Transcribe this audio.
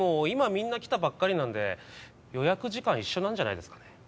今みんな来たばっかりなんで予約時間一緒なんじゃないですかね